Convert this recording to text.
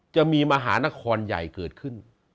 จะมีมหานครใหญ่เกิดขึ้น